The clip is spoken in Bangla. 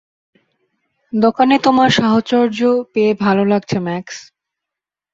দোকানে তোমার সাহচর্য পেয়ে ভালো লাগছে ম্যাক্স।